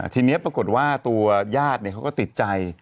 ทีนี้ปรากฏว่าตัวญาติเขาก็ติดใจ